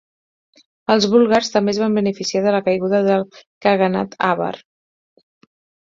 Els búlgars també es van beneficiar de la caiguda del khaganat àvar.